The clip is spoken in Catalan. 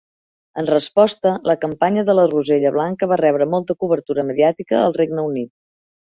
En resposta, la campanya de la rosella blanca va rebre molta cobertura mediàtica al Regne Unit.